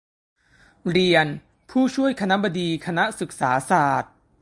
เรียน ผู้ช่วยคณบดีคณะศึกษาศาสตร์